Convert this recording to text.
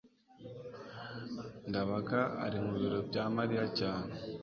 ndabaga ari mu biro bya mariya cyane